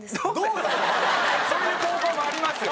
そういう高校もありますよ。